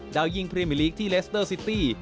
ดาวยิงพรีมิลีกที่เลสเตอร์ซิตี้